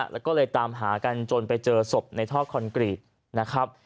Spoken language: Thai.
แล้วก็เลยตามหากันจนไปเจอศพในท่อคอนกรีตนะครับ